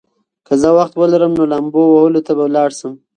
که زه وخت ولرم، نو لامبو وهلو ته به لاړ شم.